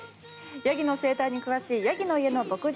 ヤギの生態に詳しいやぎのいえの牧場